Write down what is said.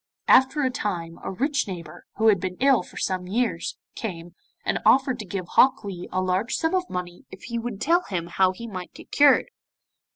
After a time a rich neighbour, who had been ill for some years, came, and offered to give Hok Lee a large sum of money if he would tell him how he might get cured.